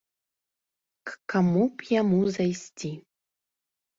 К каму б яму зайсці?